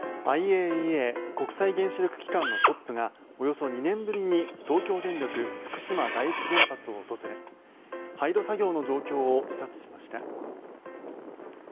ＩＡＥＡ・国際原子力機関のトップがおよそ２年ぶりに東京電力福島第一原発を訪れ廃炉作業の状況を視察しました。